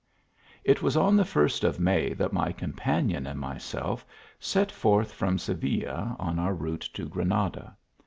1 It was on the first of May that my companion ^and myself set forth from Seville, on our route to Granada.